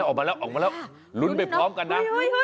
ออกมาแล้วออกมาแล้วลุ้นไปพร้อมกันนะ